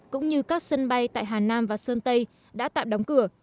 cũng như các sân bay tại hà nam và sơn tây đã tạm đóng cửa